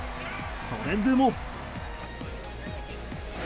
それでも。